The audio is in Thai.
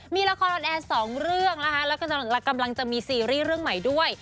มีละครออนแอร์๒เรื่องนะคะแล้วก็กำลังจะมีซีรีส์เรื่องใหม่ด้วย